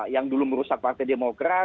yang dulu merusak partai demokrat